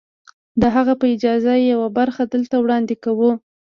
د هغه په اجازه يې يوه برخه دلته وړاندې کوو.